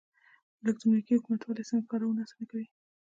الکترونیکي حکومتولي څنګه کارونه اسانه کوي؟